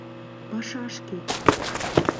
Пашашке!..